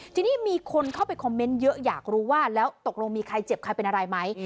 ทีนี้มีคนเข้าไปคอมเมนต์เยอะอยากรู้ว่าแล้วตกลงมีใครเจ็บใครเป็นอะไรไหม